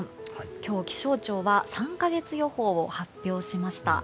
今日、気象庁は３か月予報を発表しました。